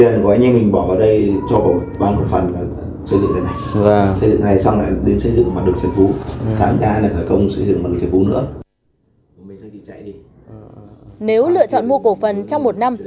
nếu lựa chọn mua cổ phần trong một năm